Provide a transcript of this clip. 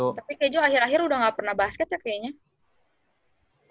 tapi keju akhir akhir udah gak pernah basket ya kayaknya